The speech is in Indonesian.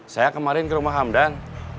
saya kemarin ke rumah hamdan